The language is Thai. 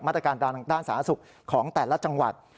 มาตรการต่างสถานศึกของแต่ละจังหวัด